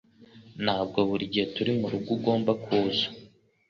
Ntabwo buri gihe turi murugo ugomba kuza